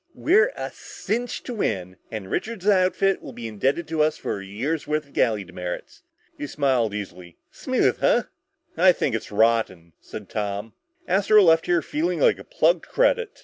We're a cinch to win and Richards' outfit will be indebted to us for a year's worth of galley demerits." He smiled easily. "Smooth, huh?" "I think it's rotten," said Tom. "Astro left here feeling like a plugged credit!